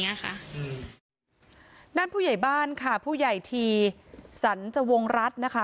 เนี้ยค่ะอืมนั่นผู้ใหญ่บ้านค่ะผู้ใหญ่ที่สรรจวงรัฐนะคะ